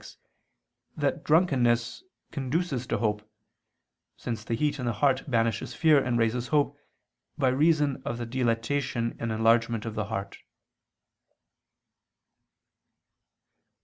6) that drunkenness conduces to hope, since the heat in the heart banishes fear and raises hope, by reason of the dilatation and enlargement of the heart.